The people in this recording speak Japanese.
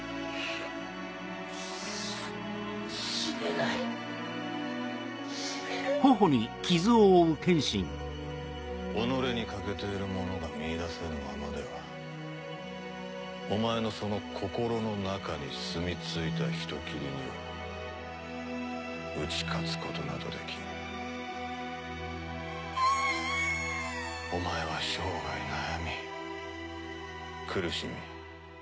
死ねない死ねない己に欠けているものが見いだせぬままではお前のその心の中にすみついた人斬りには打ち勝つことなどできん泣き声お前は生涯悩み苦しみ